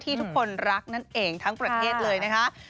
ทุกคนรักนั่นเองทั้งประเทศเลยนะคะ